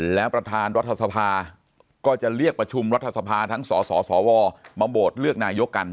แล้วประธานรัฐสภาก็จะเรียกประชุมรัฐสภาทั้งสสวมาโหวตเลือกนายกกัน